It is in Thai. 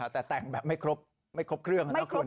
แต่แต่งแบบไม่ครบเครื่องนะคุณ